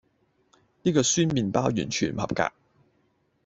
呢個酸麵包完全唔合格